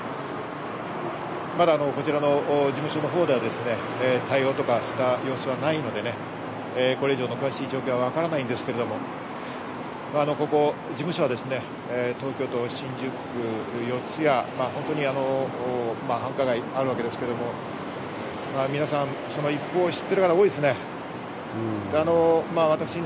まだこちらの事務所のほうでは対応とか、そういった様子はないのでこれ以上の詳しい状況はわからないんですけれども、ここ事務所は東京都新宿区四谷、繁華街があるわけですけれども、皆さん、その一報を知っている方が多いですね。